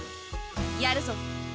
やるぞ。